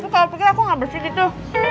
kalo pikir aku gak bersih gitu